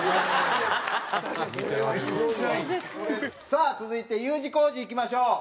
さあ続いてＵ字工事いきましょう。